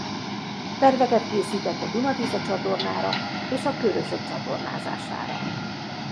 Terveket készített a Duna-Tisza-csatornára és a Körösök csatornázására.